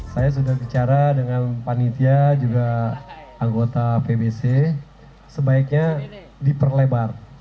saya sudah bicara dengan panitia juga anggota pbc sebaiknya diperlebar